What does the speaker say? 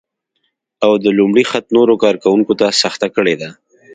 او د لومړي خط نورو کار کونکو ته سخته کړې ده